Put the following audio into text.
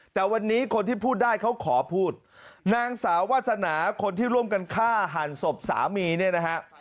แต่วันนี้คนที่พูดได้เขาขอพูดนางสาววาสนาคนที่ร่วมกันฆ่าหันศพสามีเนี่ยนะฮะ